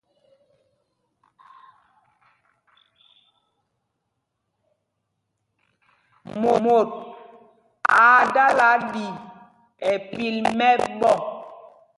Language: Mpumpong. Mot aa dala ɗí ɛ́ pil mɛ̄ɓɔ̄.